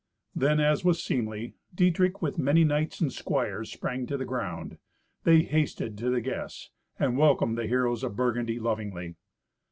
Then, as was seemly, Dietrich, with many knights and squires, sprang to the ground. They hasted to the guests, and welcomed the heroes of Burgundy lovingly.